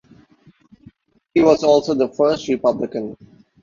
He was also the first Republican.